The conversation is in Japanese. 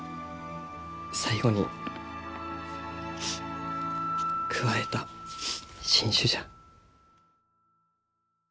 最後に加えた新種じゃ。